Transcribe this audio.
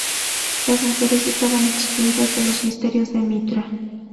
Las mujeres estaban excluidas de los misterios de Mitra.